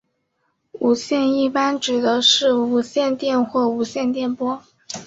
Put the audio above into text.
无线一般指的是无线电或无线电波。